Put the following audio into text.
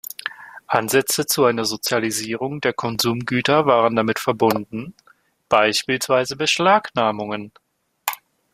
Ansätze zu einer Sozialisierung der Konsumgüter waren damit verbunden, beispielsweise Beschlagnahmungen.